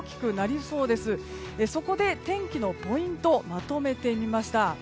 そこで天気のポイントまとめてみました。